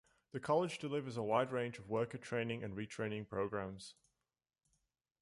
The college delivers a wide range of worker training and re-training programs.